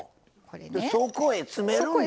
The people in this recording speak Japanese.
そこへ詰めるんですな！